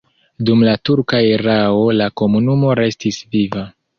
Dum la turka erao la komunumo restis viva.